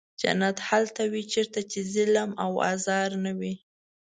جنت هلته وي چېرته چې ظلم او آزار نه وي.